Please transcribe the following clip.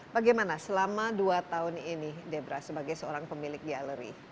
bagaimana selama dua tahun ini debra sebagai seorang pemilik galeri